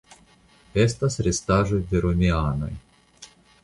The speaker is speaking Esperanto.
Estas restaĵoj de romianoj.